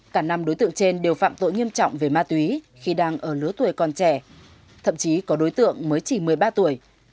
cả năm đối tượng trên đều phạm tội nghiêm trọng về ma túy khi đang ở lứa tuổi còn trẻ thậm chí có đối tượng mới chỉ một mươi ba tuổi